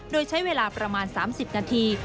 โดยใช้เวลาประมาณ๓๐นาที